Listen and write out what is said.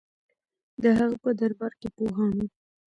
د هغه په دربار کې پوهان وو